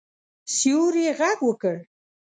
سیوري غږ وکړ.